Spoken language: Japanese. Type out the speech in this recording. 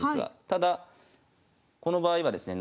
ただこの場合はですね